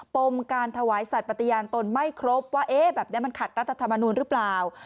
ปมการถวายสัตว์ปฏิญาณตนไม่ครบว่าแบบนี้มันขัดรัฐธรรมนูลหรือเปล่า